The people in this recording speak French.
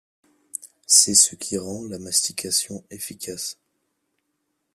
C'est ce qui rend la mastication efficace.